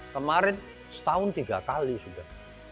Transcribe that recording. kemarin setahun tiga kali sudah